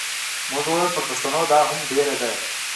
موږ وویل پر پښتنو دا هم ډېره ده.